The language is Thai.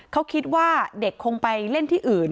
เขาคิดว่าเด็กคงไปเล่นที่อื่น